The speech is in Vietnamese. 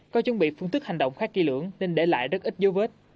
có chuẩn bị phương thức hành động khác kỳ lưỡng nên để lại rất ít dấu vết